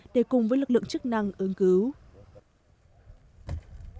để cùng với lực lượng chức năng cứu hộ